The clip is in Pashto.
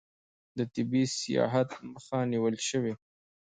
د طبي سیاحت مخه نیول شوې؟